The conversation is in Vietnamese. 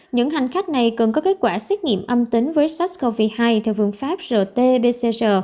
những hành khách này cần có kết quả xét nghiệm âm tính với sars cov hai theo phương pháp rt pcr